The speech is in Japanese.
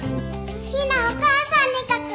陽菜お母さんに書く。